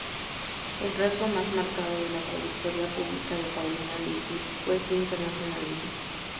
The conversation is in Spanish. El rasgo más marcado de la trayectoria pública de Paulina Luisi fue su internacionalismo.